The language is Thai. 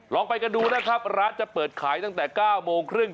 ไปกันดูนะครับร้านจะเปิดขายตั้งแต่๙โมงครึ่ง